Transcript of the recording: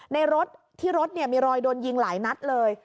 ในรถที่รถมีรอยโดนยิงหลายนัดเลย